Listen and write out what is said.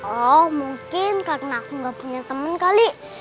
oh mungkin karena aku nggak punya temen kali